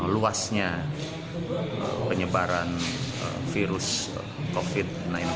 luasnya penyebaran virus covid sembilan belas